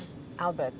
wow dalam hal ini albert